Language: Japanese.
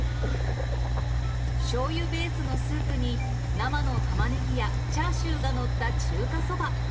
しょうゆベースのスープに、生のタマネギやチャーシューが載った中華そば。